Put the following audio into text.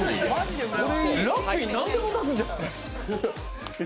ラッピーなんでも出すじゃん。